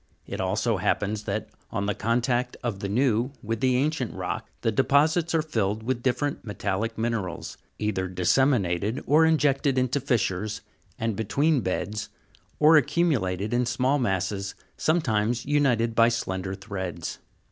It also happens that, on the contact of the new with the ancient rock, the deposits are filled with different metallic minerals, either dissemi nated or injected into fissures, and between beds, or accumulated in small masses, sometimes united by slender threads.